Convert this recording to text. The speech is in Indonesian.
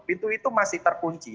pintu itu masih terkunci